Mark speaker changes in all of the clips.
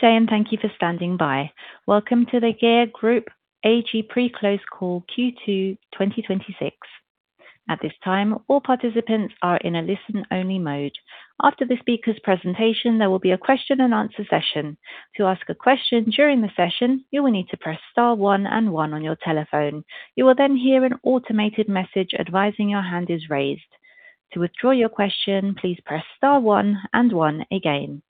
Speaker 1: Good day, thank you for standing by. Welcome to the GEA Group AG Pre-close call Q2 2026. At this time, all participants are in a listen-only mode. After the speaker's presentation, there will be a question-and-answer session. To ask a question during the session, you will need to press star one and one on your telephone. You will then hear an automated message advising your hand is raised. To withdraw your question, please press star one and one again.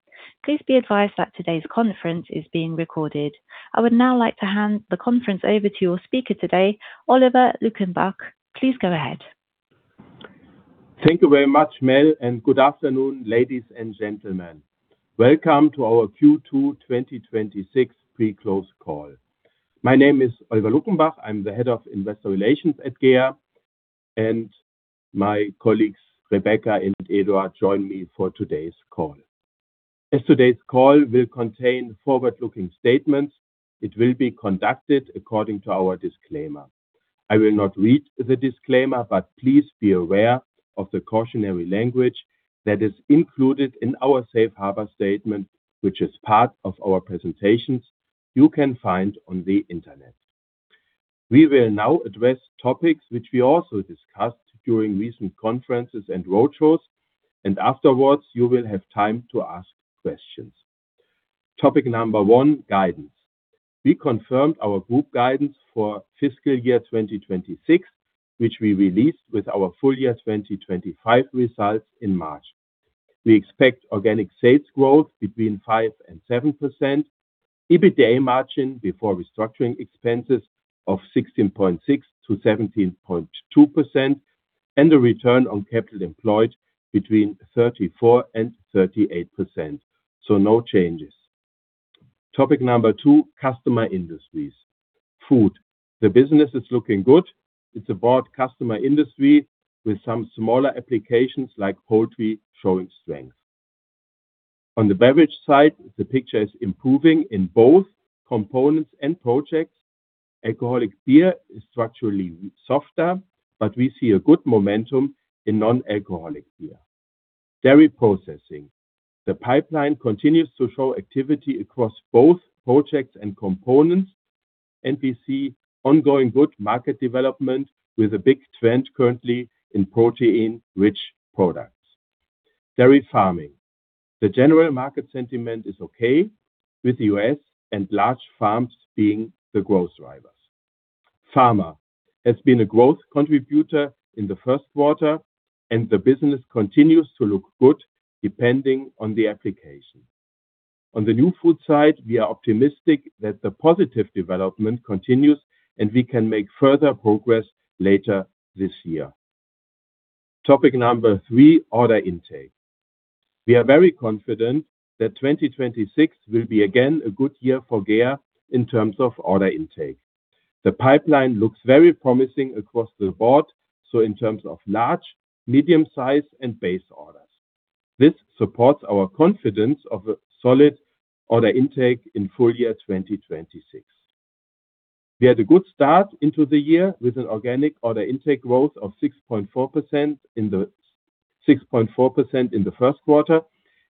Speaker 1: Please be advised that today's conference is being recorded. I would now like to hand the conference over to your speaker today, Oliver Luckenbach. Please go ahead.
Speaker 2: Thank you very much, Mel, good afternoon, ladies and gentlemen. Welcome to our Q2 2026 pre-close call. My name is Oliver Luckenbach. I'm the Head of Investor Relations at GEA, and my colleagues Rebecca and Eduard join me for today's call. As today's call will contain forward-looking statements, it will be conducted according to our disclaimer. I will not read the disclaimer, but please be aware of the cautionary language that is included in our safe harbor statement, which is part of our presentations you can find on the internet. We will now address topics which we also discussed during recent conferences and roadshows. Afterwards, you will have time to ask questions. Topic number one, guidance. We confirmed our group guidance for fiscal year 2026, which we released with our full year 2025 results in March. We expect organic sales growth between 5% and 7%, EBITDA margin before restructuring expenses 16.6%-17.2%, and the return on capital employed between 34% and 38%. No changes. Topic number two, customer industries. Food. The business is looking good. It's a broad customer industry with some smaller applications like poultry showing strength. On the beverage side, the picture is improving in both components and projects. Alcoholic beer is structurally softer, but we see a good momentum in non-alcoholic beer. Dairy processing. The pipeline continues to show activity across both projects and components. We see ongoing good market development with a big trend currently in protein-rich products. Dairy farming. The general market sentiment is okay, with U.S. and large farms being the growth drivers. Pharma has been a growth contributor in the first quarter. The business continues to look good depending on the application. On the new food side, we are optimistic that the positive development continues. We can make further progress later this year. Topic number three, order intake. We are very confident that 2026 will be again a good year for GEA in terms of order intake. The pipeline looks very promising across the board, in terms of large, medium-size, and base orders. This supports our confidence of a solid order intake in full year 2026. We had a good start into the year with an organic order intake growth of 6.4% in the first quarter.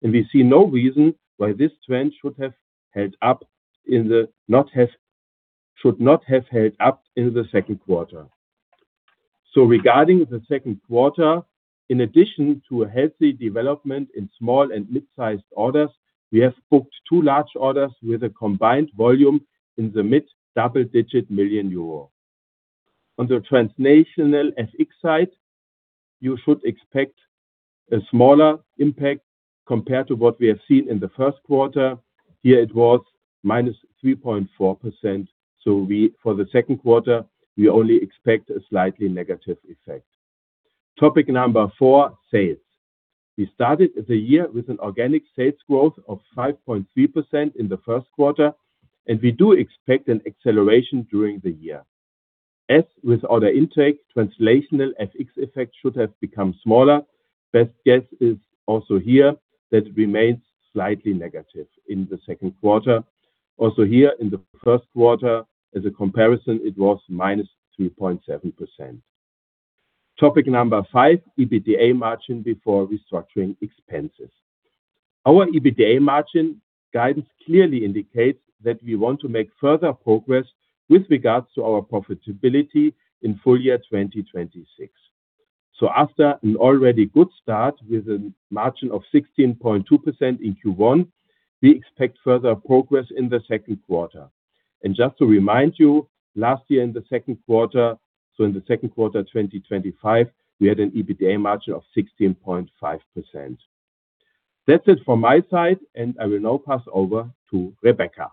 Speaker 2: We see no reason why this trend should not have held up in the second quarter. Regarding the second quarter, in addition to a healthy development in small and mid-sized orders, we have booked two large orders with a combined volume in the mid-double-digit million euro. On the translational FX side, you should expect a smaller impact compared to what we have seen in the first quarter. Here it was -3.4%, for the second quarter, we only expect a slightly negative effect. Topic number four, sales. We started the year with an organic sales growth of 5.3% in the first quarter, and we do expect an acceleration during the year. As with order intake, translational FX effect should have become smaller. Best guess is also here that remains slightly negative in the second quarter. Also here in the first quarter, as a comparison, it was -3.7%. Topic number five, EBITDA margin before restructuring expenses. Our EBITDA margin guidance clearly indicates that we want to make further progress with regards to our profitability in full year 2026. After an already good start with a margin of 16.2% in Q1, we expect further progress in the second quarter. Just to remind you, last year in the second quarter, in the second quarter 2025, we had an EBITDA margin of 16.5%. That's it for my side, and I will now pass over to Rebecca.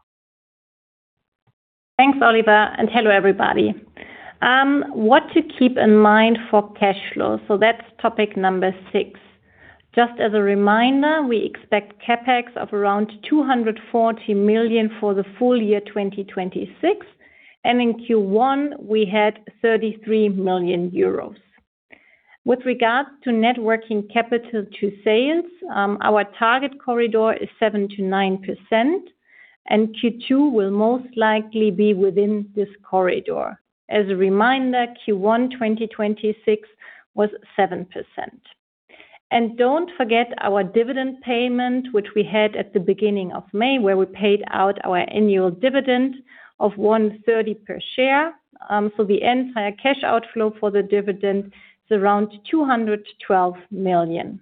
Speaker 3: Thanks, Oliver, and hello, everybody. What to keep in mind for cash flow. That's topic number six. Just as a reminder, we expect CapEx of around 240 million for the full year 2026, and in Q1, we had 33 million euros. With regards to net working capital to sales, our target corridor is 7%-9%, and Q2 will most likely be within this corridor. As a reminder, Q1 2026 was 7%. Don't forget our dividend payment, which we had at the beginning of May, where we paid out our annual dividend of 1.30 per share. The entire cash outflow for the dividend is around 212 million.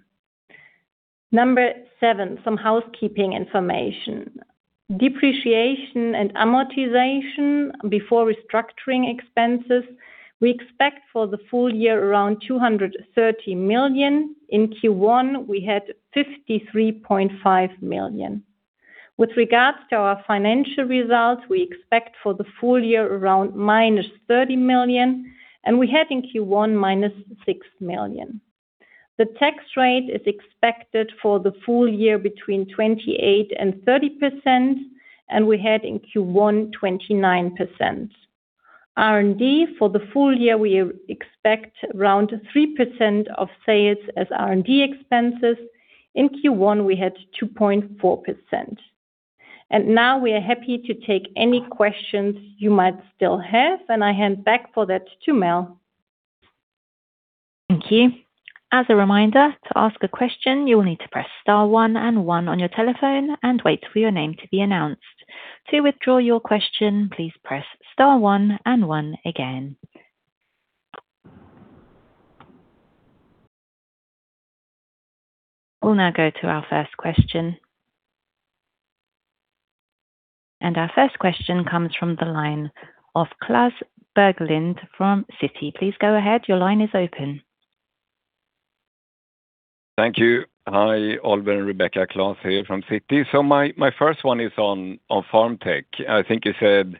Speaker 3: Number seven, some housekeeping information. Depreciation and amortization before restructuring expenses, we expect for the full year around 230 million. In Q1, we had 53.5 million. With regards to our financial results, we expect for the full year around -30 million, and we had in Q1, -6 million. The tax rate is expected for the full year between 28% and 30%, and we had in Q1, 29%. R&D for the full year, we expect around 3% of sales as R&D expenses. In Q1, we had 2.4%. Now we are happy to take any questions you might still have, and I hand back for that to Mel.
Speaker 1: Thank you. As a reminder, to ask a question, you will need to press star one and one on your telephone and wait for your name to be announced. To withdraw your question, please press star one and one again. We'll now go to our first question. Our first question comes from the line of Klas Bergelind from Citi. Please go ahead. Your line is open.
Speaker 4: Thank you. Hi, Oliver and Rebecca. Klas here from Citi. My first one is on FarmTech. I think you said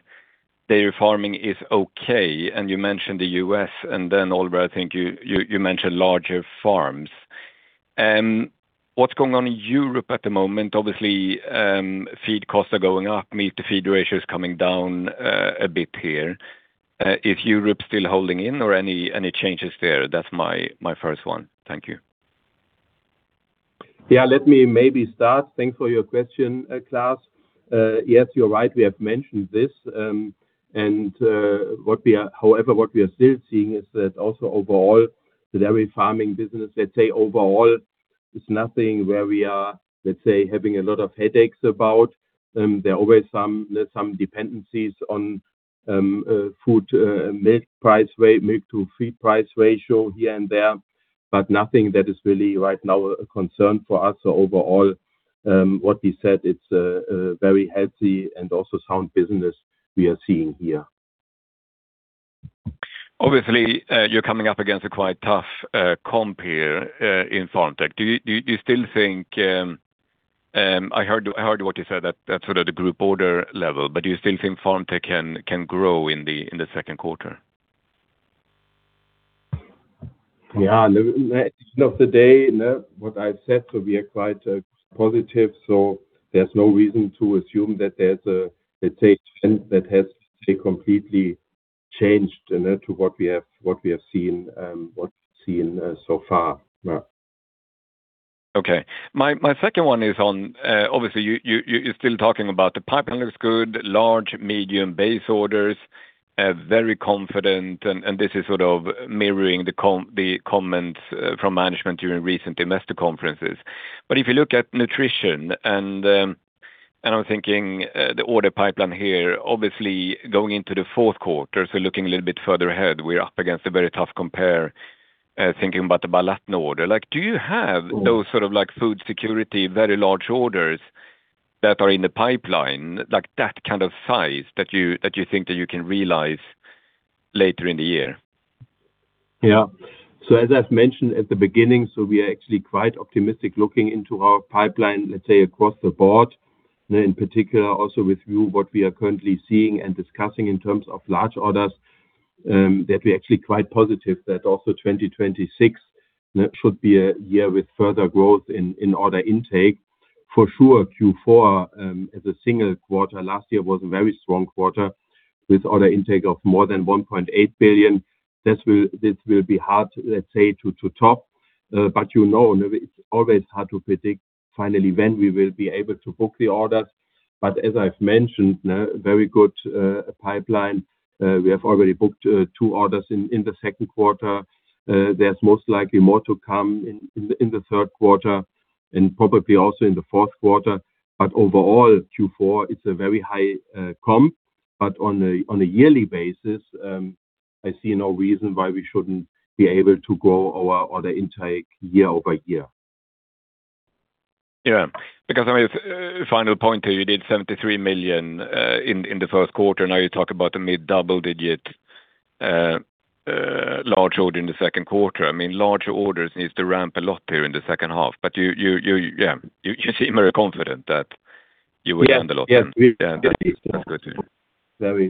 Speaker 4: dairy farming is okay, and you mentioned the U.S., and then Oliver, I think you mentioned larger farms. What's going on in Europe at the moment? Obviously, feed costs are going up, meat-to-feed ratio is coming down a bit here. Is Europe still holding in or any changes there? That's my first one. Thank you.
Speaker 2: Let me maybe start. Thanks for your question, Klas. Yes, you're right. We have mentioned this. However, what we are still seeing is that also overall, the dairy farming business, let's say overall, it's nothing where we are, let's say, having a lot of headaches about. There are always some dependencies on food, milk price, milk to feed price ratio here and there, but nothing that is really right now a concern for us. Overall, what we said, it's a very healthy and also sound business we are seeing here.
Speaker 4: Obviously, you're coming up against a quite tough comp here in FarmTech. I heard what you said, that's sort of the group order level, do you still think FarmTech can grow in the second quarter?
Speaker 2: Yeah. At the end of the day, what I said, we are quite positive. There's no reason to assume that there's a, let's say, trend that has completely changed to what we have seen so far.
Speaker 4: Okay. My second one is on, obviously, you're still talking about the pipeline looks good, large, medium base orders, very confident, and this is sort of mirroring the comments from management during recent investor conferences. If you look at nutrition, and I'm thinking the order pipeline here, obviously, going into the fourth quarter, looking a little bit further ahead, we're up against a very tough compare, thinking about the Baladna order. Do you have those sort of food security, very large orders that are in the pipeline, like that kind of size that you think that you can realize later in the year?
Speaker 2: Yeah. As I've mentioned at the beginning, we are actually quite optimistic looking into our pipeline, let's say, across the board. In particular, also with you, what we are currently seeing and discussing in terms of large orders, that we're actually quite positive that also 2026, that should be a year with further growth in order intake. For sure, Q4 as a single quarter last year was a very strong quarter with order intake of more than 1.8 billion. This will be hard, let's say, to top. You know it's always hard to predict finally when we will be able to book the orders. As I've mentioned, very good pipeline. We have already booked two orders in the second quarter. There's most likely more to come in the third quarter and probably also in the fourth quarter. Overall, Q4, it's a very high comp. On a yearly basis, I see no reason why we shouldn't be able to grow our order intake year-over-year.
Speaker 4: Yeah. Final point here, you did 73 million in the first quarter. Now you talk about a mid-double-digit large order in the second quarter. Larger orders need to ramp a lot here in the second half. You seem very confident that you will land a lot then.
Speaker 2: Yes.
Speaker 4: That's good to know.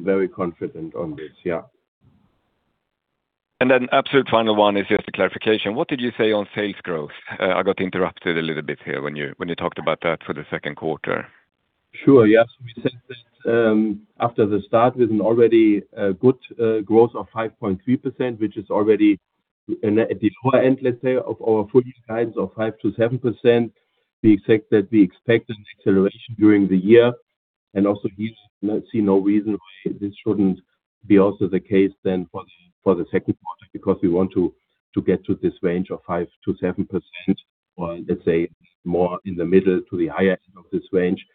Speaker 2: Very confident on this. Yeah.
Speaker 4: Absolute final one is just a clarification. What did you say on sales growth? I got interrupted a little bit here when you talked about that for the second quarter.
Speaker 2: Sure. Yes. We said that after the start with an already good growth of 5.3%, which is already at the lower end, let's say, of our full year guidance of 5%-7%. We expect that we expect an acceleration during the year. We see no reason why this shouldn't be also the case then for the second quarter, because we want to get to this range of 5%-7%, or let's say, more in the middle to the higher end of this range.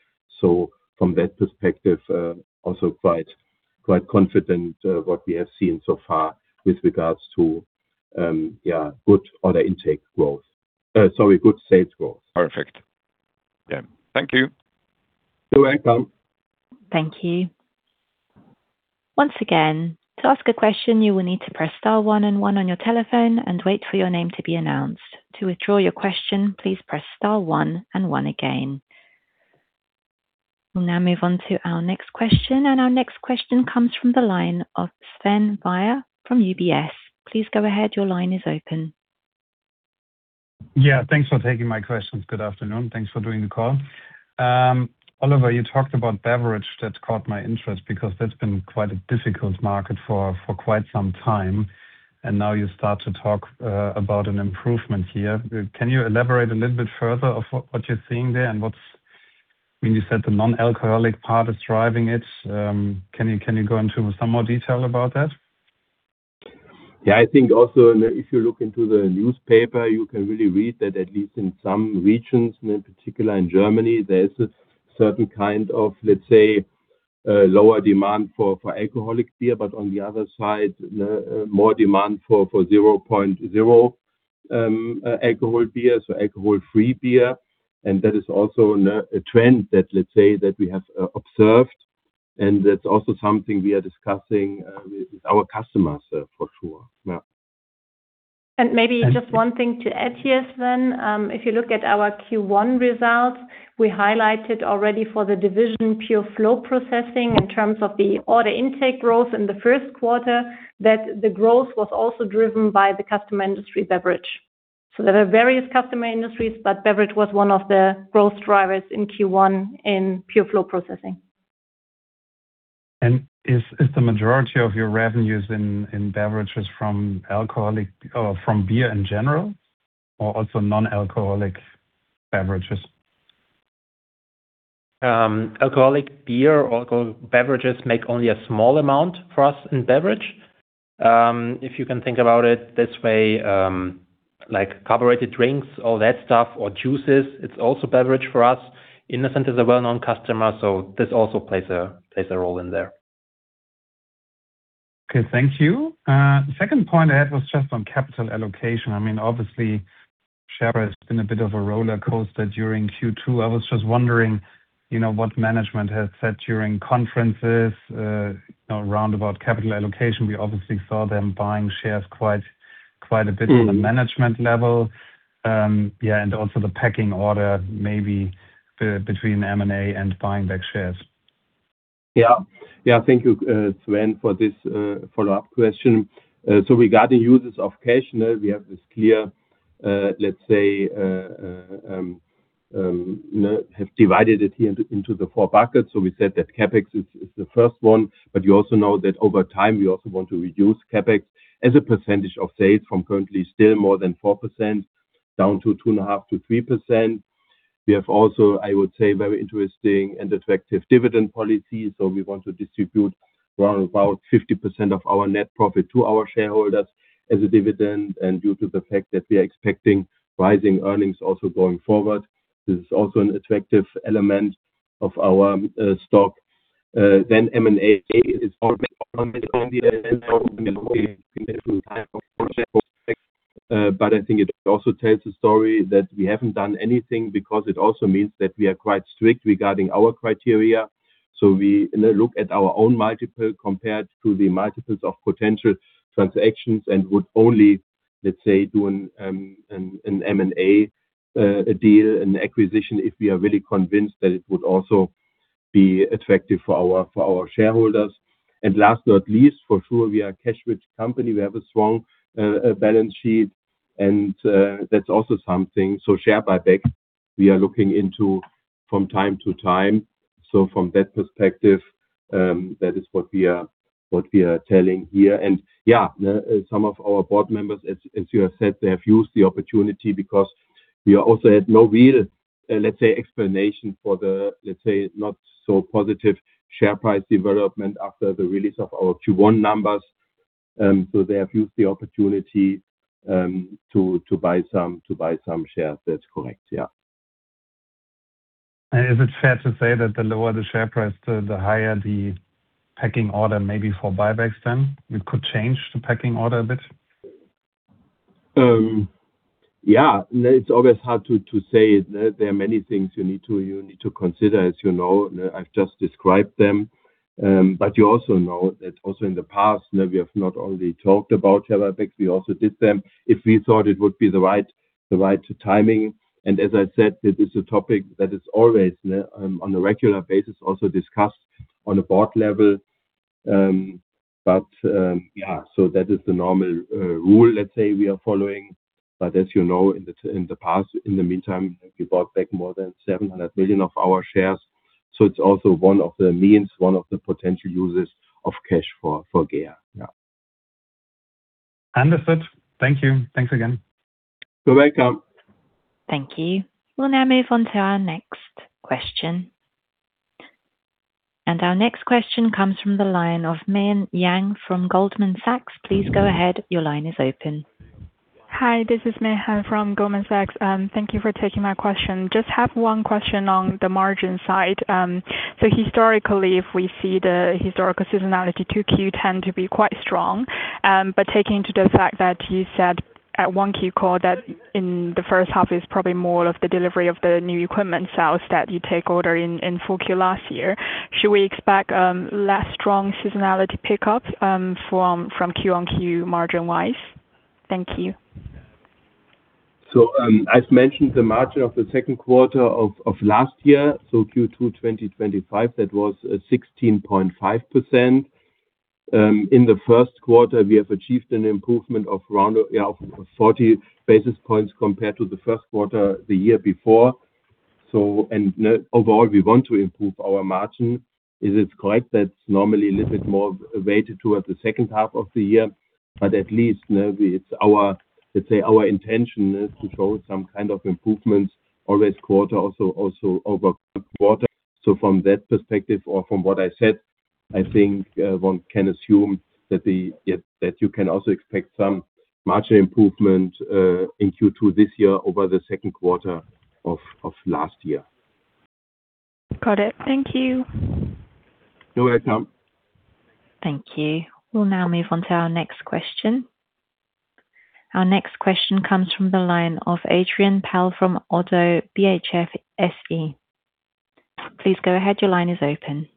Speaker 2: From that perspective, also quite confident what we have seen so far with regards to good order intake growth. Sorry, good sales growth.
Speaker 4: Perfect. Yeah. Thank you.
Speaker 2: You're welcome.
Speaker 1: Thank you. Once again, to ask a question, you will need to press star one and one on your telephone and wait for your name to be announced. To withdraw your question, please press star one and one again. We'll now move on to our next question, and our next question comes from the line of Sven Weier from UBS. Please go ahead. Your line is open.
Speaker 5: Yeah. Thanks for taking my questions. Good afternoon. Thanks for doing the call. Oliver, you talked about beverage. That caught my interest because that's been quite a difficult market for quite some time, and now you start to talk about an improvement here. Can you elaborate a little bit further of what you're seeing there and what's? When you said the non-alcoholic part is driving it, can you go into some more detail about that?
Speaker 2: Yeah, I think also if you look into the newspaper, you can really read that at least in some regions, in particular in Germany, there is a certain kind of, let's say, lower demand for alcoholic beer, but on the other side, more demand for 0.0% alcohol beer, so alcohol-free beer. That is also a trend that, let's say, we have observed, and that's also something we are discussing with our customers for sure. Yeah.
Speaker 3: Maybe just one thing to add here, Sven. If you look at our Q1 results, we highlighted already for the division Pure Flow Processing in terms of the order intake growth in the first quarter, that the growth was also driven by the customer industry beverage. There are various customer industries, but beverage was one of the growth drivers in Q1 in Pure Flow Processing.
Speaker 5: Is the majority of your revenues in beverages from beer in general, or also non-alcoholic beverages?
Speaker 6: Alcoholic beer, alcoholic beverages make only a small amount for us in beverage. If you can think about it this way, like carbonated drinks, all that stuff, or juices, it's also beverage for us. Innocent is a well-known customer, so this also plays a role in there.
Speaker 5: Okay, thank you. Second point I had was just on capital allocation. Obviously, share has been a bit of a roller coaster during Q2. I was just wondering what management has said during conferences roundabout capital allocation. We obviously saw them buying shares quite a bit on a management level. Yeah, also the pecking order maybe between M&A and buying back shares.
Speaker 2: Yeah. Thank you, Sven, for this follow-up question. Regarding uses of cash, we have this clear, let's say, have divided it here into the four buckets. We said that CapEx is the first one, but you also know that over time, we also want to reduce CapEx as a percentage of sales from currently still more than 4% down to 2.5%-3%. We have also, I would say, very interesting and attractive dividend policy. We want to distribute around about 50% of our net profit to our shareholders as a dividend. Due to the fact that we are expecting rising earnings also going forward, this is also an attractive element of our stock. M&A is but I think it also tells a story that we haven't done anything because it also means that we are quite strict regarding our criteria. We look at our own multiple compared to the multiples of potential transactions and would only, let's say, do an M&A deal, an acquisition, if we are really convinced that it would also be attractive for our shareholders. Last but not least, for sure, we are a cash-rich company. We have a strong balance sheet, that's also something. Share buyback, we are looking into from time to time. From that perspective, that is what we are telling here. Yeah, some of our Board members, as you have said, they have used the opportunity because we also had no real, let's say, explanation for the, let's say, not so positive share price development after the release of our Q1 numbers. They have used the opportunity to buy some shares. That's correct, yeah.
Speaker 5: Is it fair to say that the lower the share price, the higher the pecking order maybe for buybacks then? It could change the pecking order a bit?
Speaker 2: Yeah. It's always hard to say. There are many things you need to consider, as you know. I've just described them. You also know that also in the past, we have not only talked about share buybacks, we also did them if we thought it would be the right timing. As I said, this is a topic that is always on a regular basis, also discussed on a board level. Yeah, that is the normal rule, let's say, we are following. As you know, in the past, in the meantime, we bought back more than 700 million of our shares. It's also one of the means, one of the potential uses of cash for GEA. Yeah.
Speaker 5: Understood. Thank you. Thanks again.
Speaker 2: You're welcome.
Speaker 1: Thank you. We'll now move on to our next question. Our next question comes from the line of Meihan Yang from Goldman Sachs. Please go ahead. Your line is open.
Speaker 7: Hi, this is Meihan from Goldman Sachs. Thank you for taking my question. Just have one question on the margin side. Historically, if we see the historical seasonality, 2Q tend to be quite strong. Taking into the fact that you said at 1Q call that in the first half is probably more of the delivery of the new equipment sales that you take order in full quarter last year, should we expect less strong seasonality pickup from Q-on-Q margin-wise? Thank you.
Speaker 2: I've mentioned the margin of the second quarter of last year, so Q2 2025, that was 16.5%. In the first quarter, we have achieved an improvement of around 40 basis points compared to the first quarter the year before. Overall, we want to improve our margin. It is correct that it's normally a little bit more weighted towards the second half of the year, but at least it's our, let's say, our intention is to show some kind of improvements always quarter also over quarter. From that perspective or from what I said, I think one can assume that you can also expect some margin improvement in Q2 this year over the second quarter of last year.
Speaker 7: Got it. Thank you.
Speaker 2: You're welcome.
Speaker 1: Thank you. We'll now move on to our next question. Our next question comes from the line of Adrian Pehl from ODDO BHF SE. Please go ahead. Your line is open.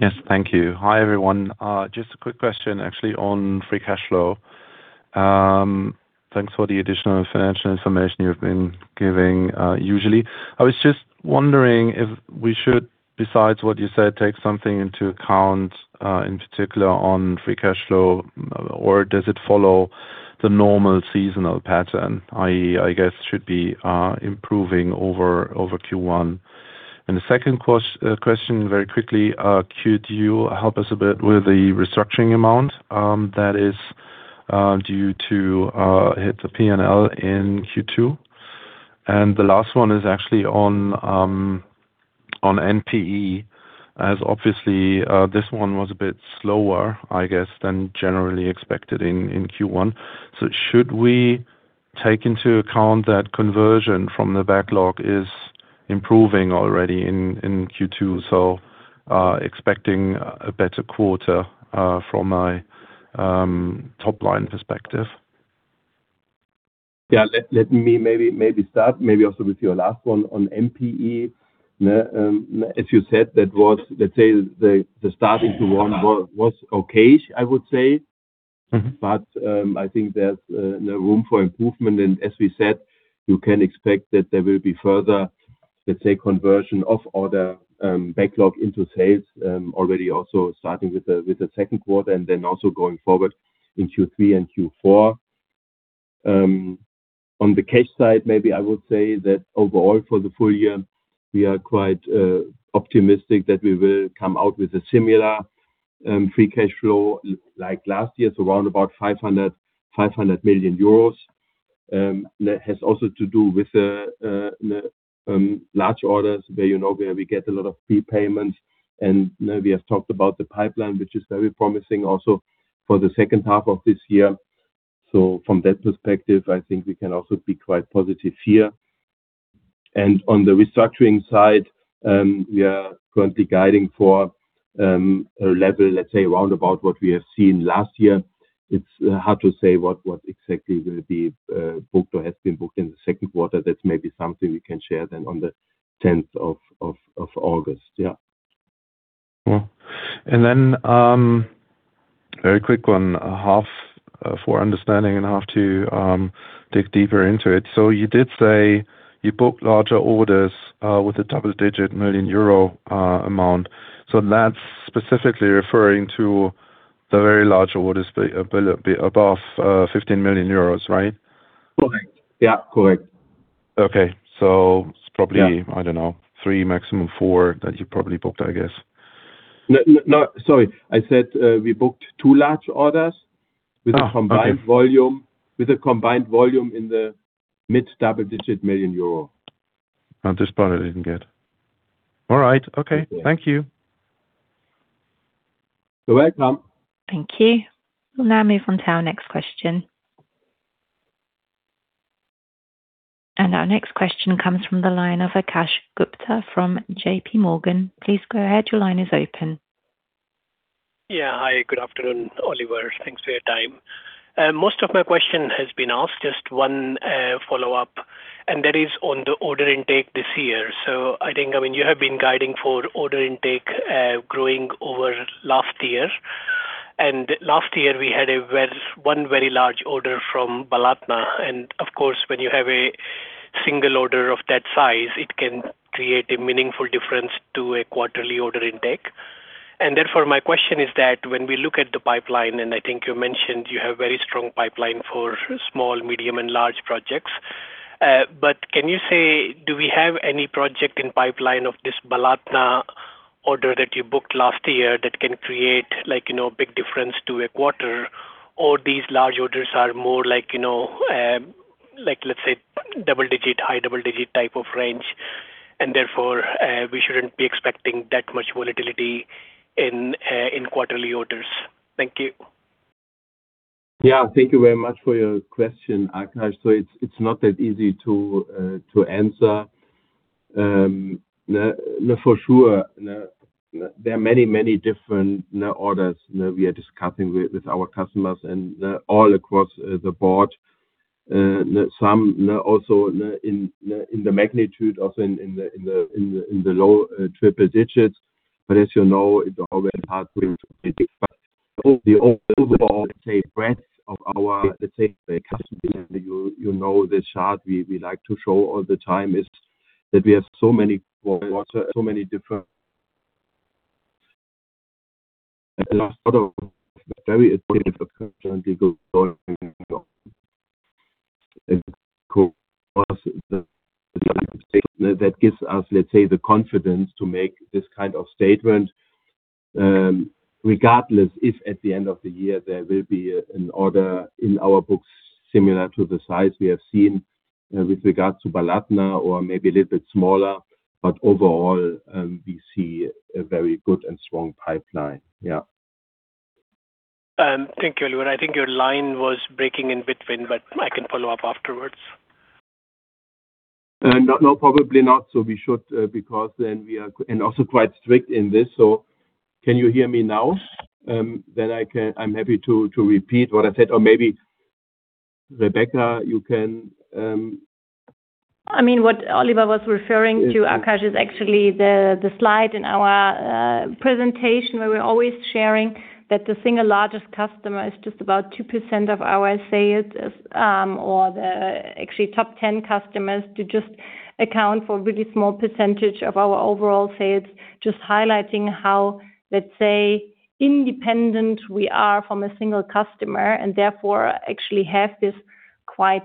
Speaker 8: Yes. Thank you. Hi, everyone. Just a quick question actually on free cash flow. Thanks for the additional financial information you've been giving usually. I was just wondering if we should, besides what you said, take something into account, in particular on free cash flow, or does it follow the normal seasonal pattern, i.e., I guess should be improving over Q1? The second question very quickly, could you help us a bit with the restructuring amount that is due to hit the P&L in Q2? The last one is actually on NPE, as obviously, this one was a bit slower, I guess, than generally expected in Q1. Should we take into account that conversion from the backlog is improving already in Q2, expecting a better quarter from a top-line perspective?
Speaker 2: Yeah. Let me maybe start also with your last one on NPE. As you said, the starting to one was okay-ish, I would say. I think there's room for improvement. As we said, you can expect that there will be further, let's say, conversion of order backlog into sales already also starting with the second quarter and then also going forward in Q3 and Q4. On the cash side, maybe I would say that overall for the full year, we are quite optimistic that we will come out with a similar free cash flow like last year, so around about 500 million euros. That has also to do with large orders where we get a lot of prepayments. We have talked about the pipeline, which is very promising also for the second half of this year. From that perspective, I think we can also be quite positive here. On the restructuring side, we are currently guiding for a level, let's say around about what we have seen last year. It's hard to say what exactly will be booked or has been booked in the second quarter. That's maybe something we can share on August 10th.
Speaker 8: Very quick one, half for understanding and half to dig deeper into it. You did say you booked larger orders with a double-digit million euro amount. That's specifically referring to the very large orders above 15 million euros, right?
Speaker 2: Correct. Correct.
Speaker 8: Okay. It's probably-
Speaker 2: Yeah.
Speaker 8: ...I don't know, three, maximum four that you probably booked, I guess.
Speaker 2: No, sorry. I said we booked two large orders-
Speaker 8: Okay.
Speaker 2: ...with a combined volume in the mid double-digit million euro.
Speaker 8: This part I didn't get. All right. Okay. Thank you.
Speaker 2: You're welcome.
Speaker 1: Thank you. We'll now move on to our next question. Our next question comes from the line of Akash Gupta from JPMorgan. Please go ahead. Your line is open.
Speaker 9: Yeah. Hi, good afternoon, Oliver. Thanks for your time. Most of my question has been asked, just one follow-up, and that is on the order intake this year. I think, you have been guiding for order intake growing over last year. Last year, we had one very large order from Baladna. Of course, when you have a single order of that size, it can create a meaningful difference to a quarterly order intake. Therefore, my question is that when we look at the pipeline, I think you mentioned you have very strong pipeline for small, medium, and large projects. Can you say, do we have any project in pipeline of this Baladna order that you booked last year that can create big difference to a quarter? These large orders are more like, let's say, double-digit, high double-digit type of range, and therefore, we shouldn't be expecting that much volatility in quarterly orders. Thank you.
Speaker 2: Yeah. Thank you very much for your question, Akash. It's not that easy to answer. For sure, there are many, many different orders we are discussing with our customers and all across the board. Some also in the magnitude of, in the low triple digits. As you know, it's always hard breadth of our, let's say customer. You know this chart we like to show all the time is that we have so many let's say, the confidence to make this kind of statement. Regardless if at the end of the year there will be an order in our books similar to the size we have seen, with regards to Baladna or maybe a little bit smaller. Overall, we see a very good and strong pipeline. Yeah.
Speaker 9: Thank you, Oliver. I think your line was breaking in between, I can follow up afterwards.
Speaker 2: No, probably not. We should, because then. Also quite strict in this, can you hear me now? I'm happy to repeat what I said. Maybe, Rebecca, you can mh-
Speaker 3: What Oliver was referring to, Akash, is actually the slide in our presentation where we're always sharing that the single largest customer is just about 2% of our sales. The actually top 10 customers to just account for really small percentage of our overall sales. Just highlighting how, let's say, independent we are from a single customer and therefore actually have this quite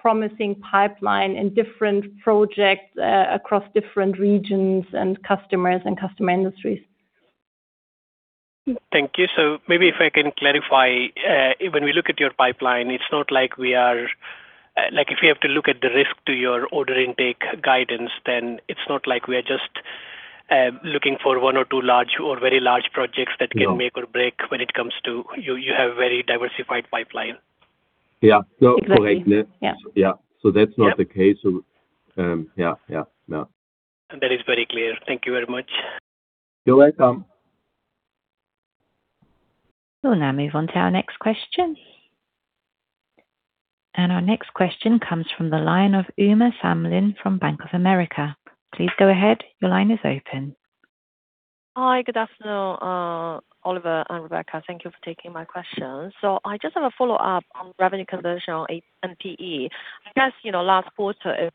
Speaker 3: promising pipeline in different projects, across different regions and customers and customer industries.
Speaker 9: Thank you. Maybe if I can clarify, when we look at your pipeline, it's not like. If we have to look at the risk to your order intake guidance, then it's not like we are just looking for one or two large or very large projects that can make or break when it comes to. You have very diversified pipeline.
Speaker 2: Yeah.
Speaker 3: Exactly.
Speaker 2: Correct.
Speaker 3: Yeah.
Speaker 2: Yeah. That's not the case. Yeah.
Speaker 9: That is very clear. Thank you very much.
Speaker 2: You're welcome.
Speaker 1: We'll now move on to our next question. Our next question comes from the line of Uma Samlin from Bank of America. Please go ahead. Your line is open.
Speaker 10: Hi. Good afternoon, Oliver and Rebecca. Thank you for taking my question. I just have a follow-up on revenue conversion on NPE. I guess, last quarter.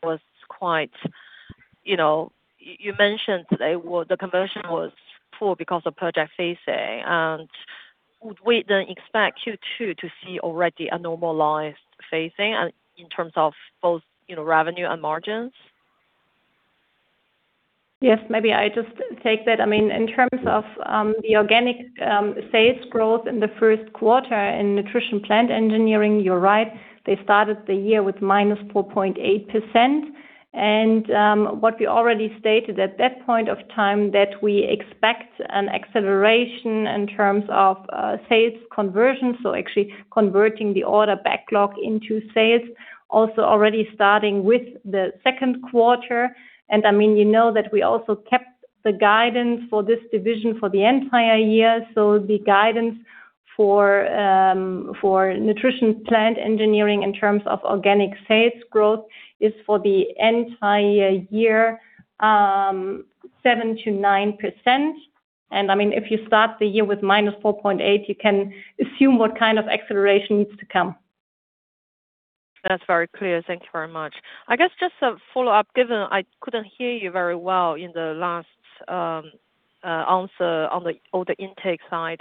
Speaker 10: You mentioned today, well, the conversion was poor because of project phasing. Would we then expect Q2 to see already a normalized phasing in terms of both revenue and margins?
Speaker 3: Yes, maybe I just take that. In terms of the organic sales growth in the first quarter in Nutrition Plant Engineering, you're right, they started the year with -4.8%. What we already stated at that point of time, that we expect an acceleration in terms of sales conversion. Actually converting the order backlog into sales, also already starting with the second quarter. You know that we also kept the guidance for this division for the entire year. The guidance for Nutrition Plant Engineering in terms of organic sales growth is for the entire year, 7%-9%. If you start the year with -4.8%, you can assume what kind of acceleration needs to come.
Speaker 10: That's very clear. Thank you very much. I guess just a follow-up, given I couldn't hear you very well in the last answer on the order intake side.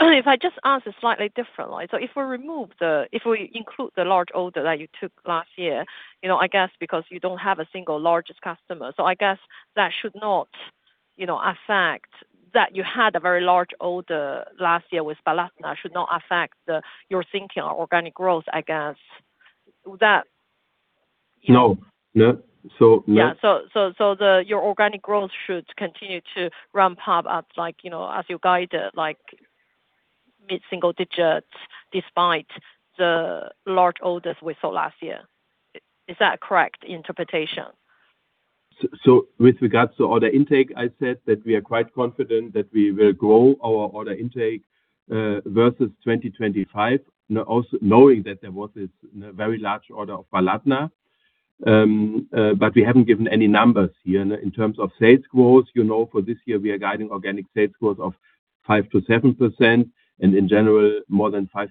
Speaker 10: If I just ask a slightly different way. If we include the large order that you took last year, I guess because you don't have a single largest customer, so I guess that should not affect that you had a very large order last year with Baladna, should not affect your thinking on organic growth, I guess.
Speaker 2: No. So-
Speaker 10: Yeah. Your organic growth should continue to ramp up as you guide it, mid-single digits despite the large orders we saw last year. Is that a correct interpretation?
Speaker 2: With regards to order intake, I said that we are quite confident that we will grow our order intake versus 2025. Knowing that there was this very large order of Baladna. We haven't given any numbers here. In terms of sales growth, for this year, we are guiding organic sales growth of 5%-7%, and in general, more than 5%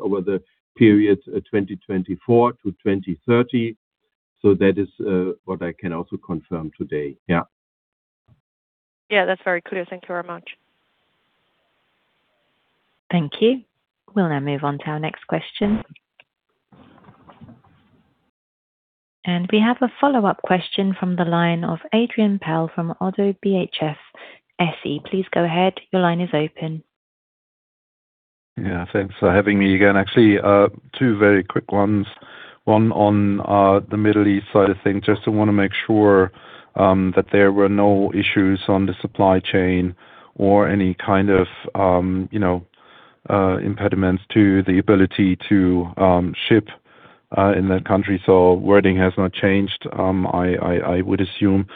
Speaker 2: over the period 2024-2030. That is what I can also confirm today. Yeah.
Speaker 10: Yeah. That's very clear. Thank you very much.
Speaker 1: Thank you. We'll now move on to our next question. We have a follow-up question from the line of Adrian Pehl from ODDO BHF SE. Please go ahead. Your line is open.
Speaker 8: Yeah, thanks for having me again. Actually, two very quick ones. One on the Middle East side of things, just want to make sure that there were no issues on the supply chain or any kind of impediments to the ability to ship in that country. Wording has not changed, I would assume.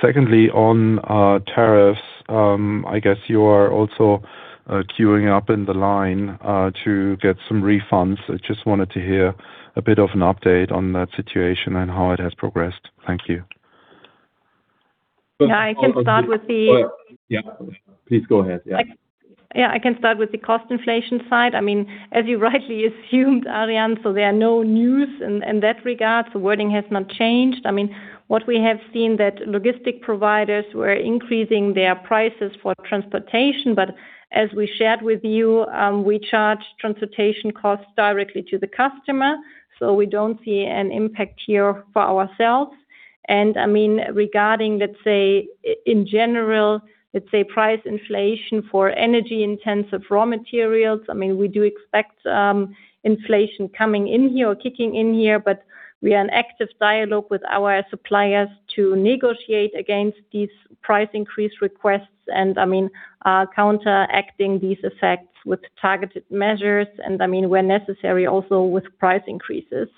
Speaker 8: Secondly, on tariffs, I guess you are also queuing up in the line to get some refunds. I just wanted to hear a bit of an update on that situation and how it has progressed. Thank you.
Speaker 3: Yeah, I can start with.
Speaker 2: Yeah, please go ahead. Yeah.
Speaker 3: Yeah, I can start with the cost inflation side. As you rightly assumed, Adrian, there are no news in that regard. The wording has not changed. What we have seen that logistic providers were increasing their prices for transportation. As we shared with you, we charge transportation costs directly to the customer, we don't see an impact here for ourselves. Regarding, let's say, in general, let's say price inflation for energy-intensive raw materials, we do expect inflation coming in here or kicking in here, we are in active dialogue with our suppliers to negotiate against these price increase requests and counteracting these effects with targeted measures and where necessary, also with price increases.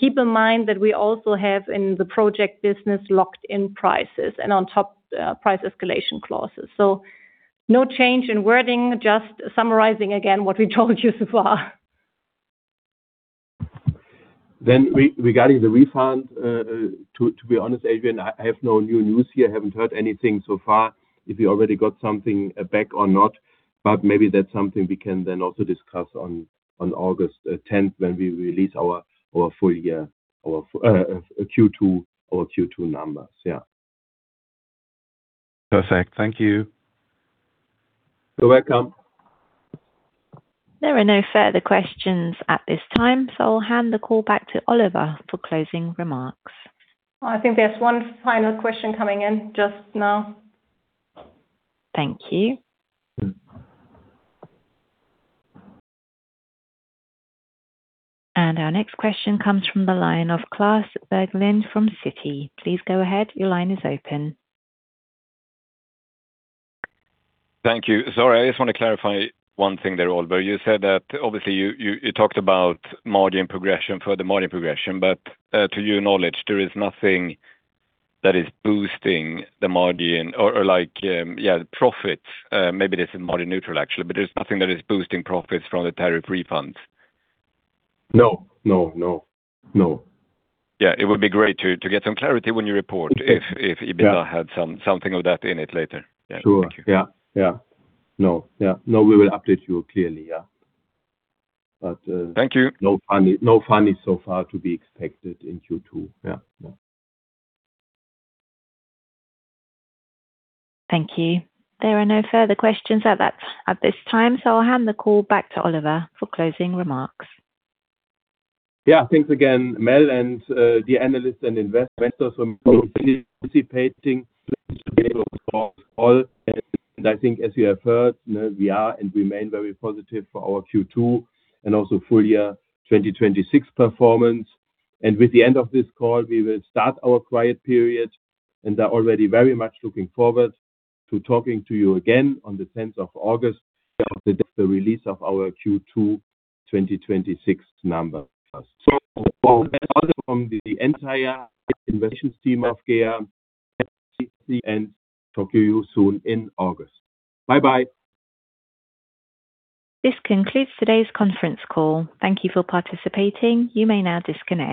Speaker 3: Keep in mind that we also have in the project business locked-in prices and on top price escalation clauses. No change in wording, just summarizing again what we told you so far.
Speaker 2: Regarding the refund, to be honest, Adrian, I have no new news here. Haven't heard anything so far, if you already got something back or not. Maybe that's something we can then also discuss on August 10th when we release our Q2 numbers. Yeah.
Speaker 8: Perfect. Thank you.
Speaker 2: You're welcome.
Speaker 1: There are no further questions at this time. I'll hand the call back to Oliver for closing remarks.
Speaker 3: I think there's one final question coming in just now.
Speaker 1: Thank you. Our next question comes from the line of Klas Bergelind from Citi. Please go ahead. Your line is open.
Speaker 4: Thank you. Sorry, I just want to clarify one thing there, Oliver. You said that obviously you talked about margin progression, further margin progression. To your knowledge, there is nothing that is boosting the margin or like, yeah, profits. Maybe this is margin neutral, actually, but there's nothing that is boosting profits from the tariff refunds?
Speaker 2: No.
Speaker 4: Yeah, it would be great to get some clarity when you report.
Speaker 2: Yeah
Speaker 4: EBITDA had something of that in it later. Yeah. Thank you.
Speaker 2: Sure. No, we will update you clearly.
Speaker 4: Thank you.
Speaker 2: No funding so far to be expected in Q2.
Speaker 1: Thank you. There are no further questions at this time, I'll hand the call back to Oliver for closing remarks.
Speaker 2: Yeah. Thanks again, Mel, the analysts and investors from participating. I think as you have heard, we are and remain very positive for our Q2 and also full year 2026 performance. With the end of this call, we will start our quiet period and are already very much looking forward to talking to you again on August 10th of the release of our Q2 2026 numbers. All the best from the entire investment team of GEA, talk to you soon in August. Bye-bye.
Speaker 1: This concludes today's conference call. Thank you for participating. You may now disconnect.